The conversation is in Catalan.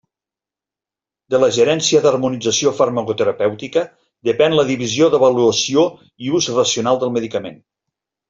De la Gerència d'Harmonització Farmacoterapèutica depèn la Divisió d'Avaluació i Ús Racional del Medicament.